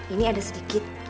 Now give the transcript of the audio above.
ini ada sedikit